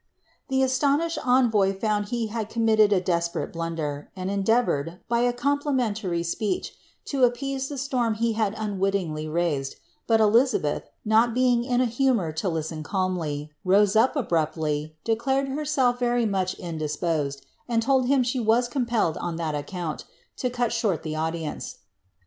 '" The astonished envoy found he had committed a desperate blundfr, and endeavoured, by a complimentary speech, to appease the siorai he had unwittingly raised ; hut Elizabeth not being in a humour to listm calmly, rose up abruptly, declared herself very much indisposed, »diI told him she was compelled, on that account, to cut short the audience.